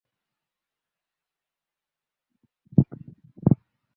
রাতে সাক্ষাৎ আর দিনে আলাপালোচন।